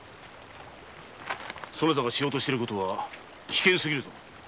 そなたがしようとしていることは危険すぎるぞ！